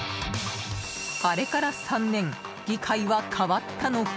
あれから３年議会は変わったのか。